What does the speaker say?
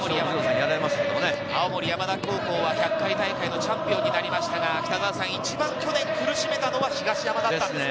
青森山田高校は１００回大会のチャンピオンになりましたが、一番去年苦しめたのは東山だったんですね。